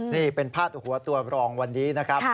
นี่เป็นพาดหัวตัวรองวันนี้นะครับ